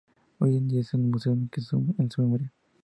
Hoy en día es un museo en su memoria.